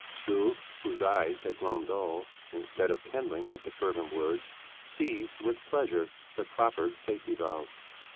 Struve, whose eyes had grown dull instead of kindling at the fervent words, seized with pleasure the proffered safety valve.